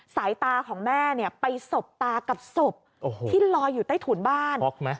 สายตาของแม่เนี่ยไปสบตากับศพที่ลอยอยู่ใต้ถุนบ้าน